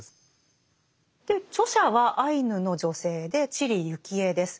で著者はアイヌの女性で知里幸恵です。